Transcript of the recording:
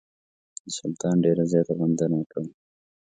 د سلطان ډېره زیاته غندنه یې کړې.